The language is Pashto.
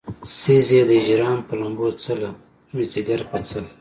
سيزې د هجران پۀ لمبو څله مې ځيګر پۀ څۀ